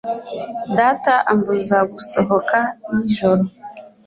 Data ambuza gusohoka nijoro.